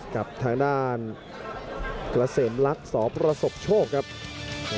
ของทางด้านวะสินชัยสมศักรกษ์ก่อสร้าง